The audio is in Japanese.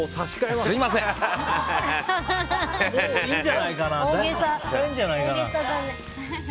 もういいんじゃないかな。